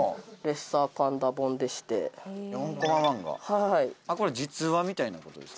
はいこれ実話みたいなことですか？